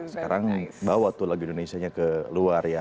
sekarang bawa tuh lagu indonesia nya ke luar ya